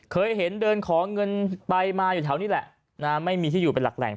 เคยเห็นเดินขอเงินไปมาอยู่แถวนี้แหละไม่มีที่อยู่เป็นหลักแหล่ง